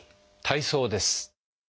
体操です。